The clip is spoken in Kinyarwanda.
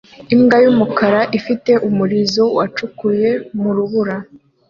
Imbwa yumukara ifite umurizo wacukuye mu rubura